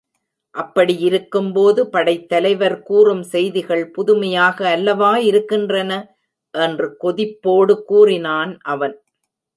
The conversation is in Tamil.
அப்படியிருக்கும்போது படைத்தலைவர் கூறும் செய்திகள் புதுமையாக அல்லவா இருக்கின்றன? என்று கொதிப்போடு கூறினான் அவன்.